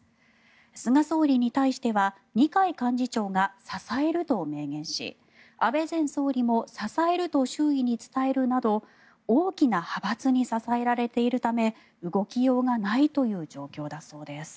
菅総理に対しては二階幹事長が支えると明言し安倍前総理も支えると周囲に伝えるなど大きな派閥に支えられているため動きようがないという状況だそうです。